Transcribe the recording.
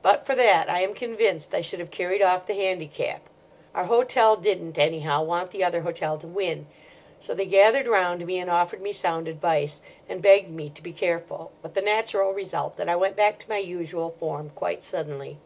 But for that I am convinced I should have carried off the handicap. Our hotel didn't, anyhow, want the other hotel to win. So they gathered round me, and offered me sound advice, and begged me to be careful; with the natural result that I went back to my usual form quite suddenly.